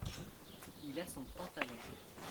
Il a son pantalon.